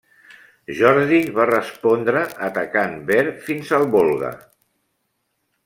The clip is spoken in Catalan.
Jordi va respondre atacant Tver fins al Volga.